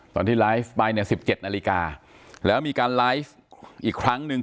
ตอนที่ไลฟ์ไปเนี่ย๑๗นาฬิกาแล้วมีการไลฟ์อีกครั้งหนึ่ง